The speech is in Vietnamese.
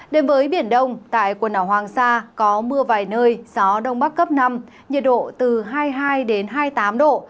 đến với biển đông tại quần đảo hoàng sa có mưa vài nơi gió đông bắc cấp năm nhiệt độ từ hai mươi hai hai mươi tám độ